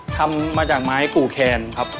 ทำมาจากไม้กู่แคนครับ